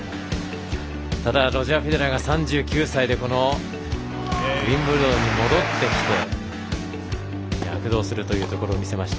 ただ、フェデラーが３９歳でウィンブルドンに戻ってきて躍動するというところを見せました。